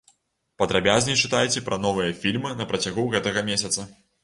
Падрабязней чытайце пра новыя фільмы на працягу гэтага месяца.